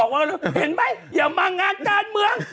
เห็นไหมอย่ามางานการเมือง